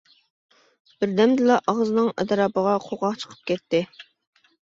بىردەمدىلا ئاغزىنىڭ ئەتراپىغا قوقاق چىقىپ كەتتى.